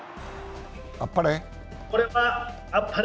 あっぱれ？